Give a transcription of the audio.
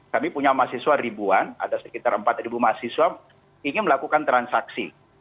kami punya mahasiswa ribuan ada sekitar empat mahasiswa ingin melakukan transaksi